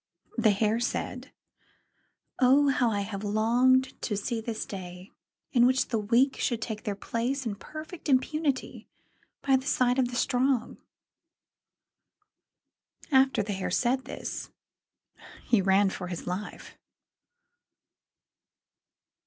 The Hare said, "Oh, how I have longed to see this day, in which the weak shall take their place with impunity by the side of the strong." And after the Hare said this, he ran for his life.